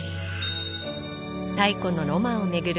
太古のロマンを巡る